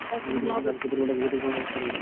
আমি সেই পরিমাণ টাকা ক্ষতিপূরণের ব্যবস্থা করে দিব।